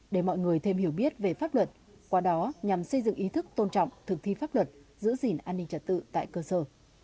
để mọi người thêm hiểu biết về pháp luật qua đó nhằm xây dựng ý thức tôn trọng thực thi pháp luật giữ gìn an ninh trật tự tại cơ sở